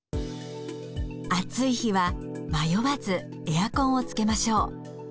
暑い日は迷わずエアコンをつけましょう。